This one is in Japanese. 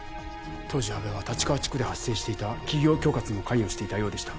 当時阿部は立川地区で発生していた企業恐喝にも関与していたようでした。